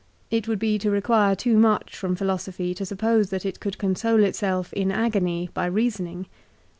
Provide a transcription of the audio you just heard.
It would be to require too much from philosophy to suppose that it could console itself in agony by reasoning.